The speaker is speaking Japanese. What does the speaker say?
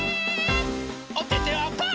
おててはパー！